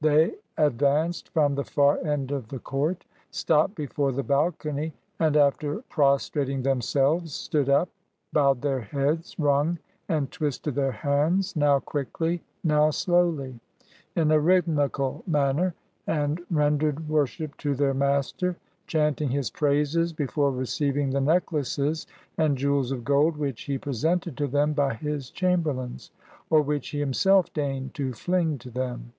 They ad vanced from the far end of the court, stopped before the balcony, and after prostrating themselves stood up, bowed their heads, wnmg and twisted their hands, now quickly, now slowly, in a rhythmical manner, and ren dered worship to their master, chanting his praises, be fore receiving the necklaces and jewels of gold which he presented to them by his chamberlains, or which he him self deigned to fling to them.